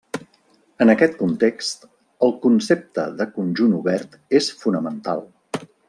En aquest context, el concepte de conjunt obert és fonamental.